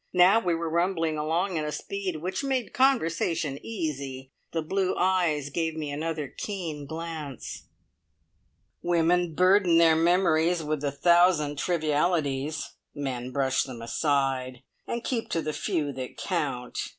Now we were rumbling along at a speed which made conversation easy. The blue eyes gave me another keen glance. "Women burden their memories with a thousand trivialities. Men brush them aside, and keep to the few that count.